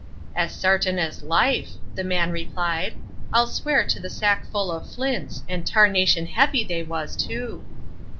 "As sartin as life," the man replied. "I'll swear to the sackful of flints; and tarnation heavy they was, too."